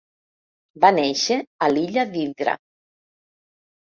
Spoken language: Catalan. Va néixer a l'illa d'Hidra.